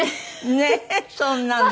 ねえそんなの。